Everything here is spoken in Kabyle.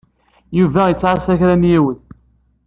Yuba yettɛassa kra n yiwet.